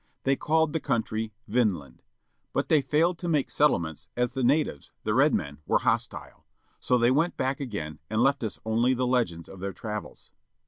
They called the country Vinland. But they failed to make settlements as the natives, the red men, were hostile. So they went back again, and left us only the legend of their travels.